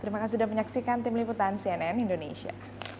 terima kasih sudah menyaksikan tim liputan cnn indonesia